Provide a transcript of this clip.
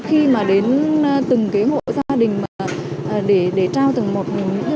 khi mà đến từng hộ gia đình để trao từng một món quà nhỏ mà do anh chị em